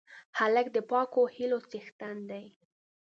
هلک د پاکو هیلو څښتن دی.